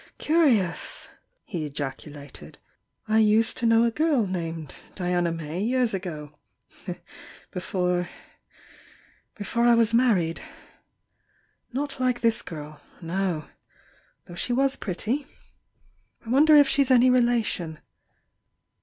"Curious!" he ejaculated— "I used to know a gurl named Diana May years ago— before— before I was married. Not like this girl — no! — though she was pretty. I wonder if she's any relation?